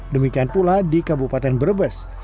demikian pula di kabupaten brebes